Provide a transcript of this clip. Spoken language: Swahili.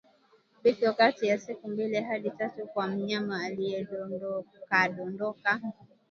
Vifo kati ya siku mbili hadi tatu kwa mnyama aliyedondokadondoka